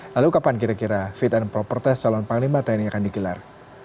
lalu kapan kira kira fit and proper test calon panglima tni akan digelar